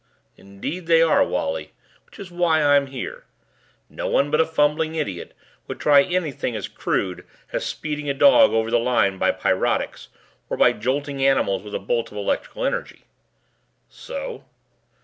"Indeed they are, Wally. Which is why I'm here. No one but a fumbling idiot would try anything as crude as speeding a dog over the line by pyrotics or by jolting the animals with a bolt of electrical energy." "So